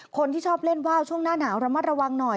คนที่ชอบเล่นว่าวช่วงหน้าหนาวระมัดระวังหน่อย